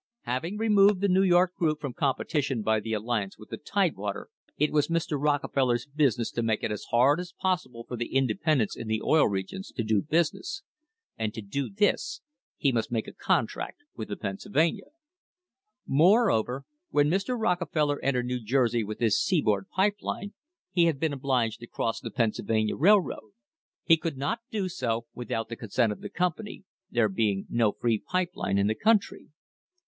Having THE HISTORY OF THE STANDARD OIL COMPANY removed the New York group from competition by the alli ance with the Tidewater it was Mr. Rockefeller's business to make it as hard as possible for the independents in the Oil Regions to do business, and to do this he must make a contract with the Pennsylvania. Moreover, when Mr. Rockefeller entered New Jersey with his seaboard pipe line, he had been obliged to cross the Penn sylvania Railroad. He could not do so without the consent of the company, there being no free pipe line in the country.